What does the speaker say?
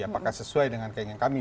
apakah sesuai dengan keinginan kami